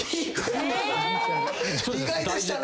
意外でしたね！